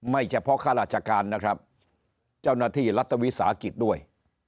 ไม่เฉพาะข้าราชการนะครับเจ้าหน้าที่รัฐวิสาหกิจด้วย